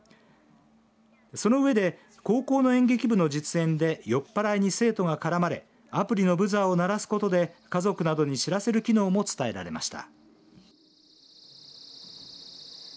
そのうえで高校の演劇部の実演で酔っ払いに生徒が絡まれアプリのブザーを鳴らすことで家族などに知らせる機能も伝えられました。